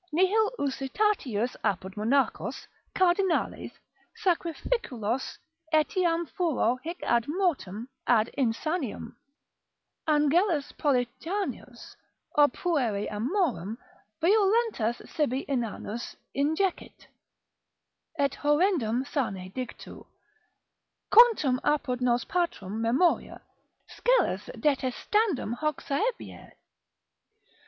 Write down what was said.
Nihil usitatius apud monachos, Cardinales, sacrificulos, etiam furor hic ad mortem, ad insaniam. Angelus Politianus, ob pueri amorem, violentas sibi inanus injecit. Et horrendum sane dictu, quantum apud nos patrum memoria, scelus detestandum hoc saevierit!